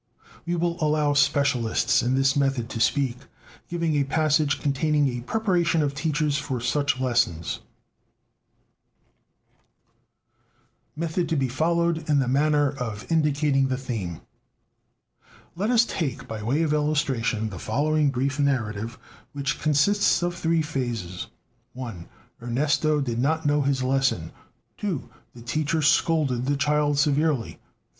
We will allow specialists in this method to speak, giving a passage containing a preparation of teachers for such lessons: METHOD TO BE FOLLOWED IN THE MANNER OF INDICATING THE THEME "Let us take, by way of illustration, the following brief narrative, which consists of three phases: 1. Ernesto did not know his lesson; 2. The teacher scolded the child severely; 3.